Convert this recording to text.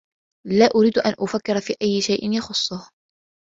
لا أريد أن أفكّر في أيّ شيء يخصّه.